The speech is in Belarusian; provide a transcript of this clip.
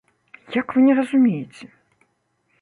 Як вы не разумееце?!